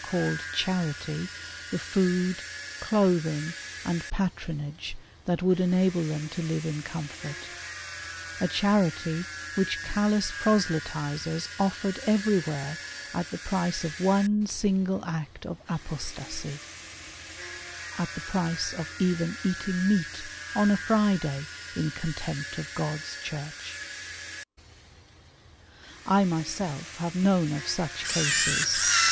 so called " charity " the food, clothing, and patronage that would enable them to live in comfort, — a "charity" which callous proselytizers offered everywhere at the price of one single act of apostasy — at the price of even eating meat on a Friday in contempt of God's Church ? I myself have known of such cases.